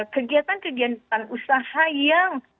kegiatan kegiatan usaha yang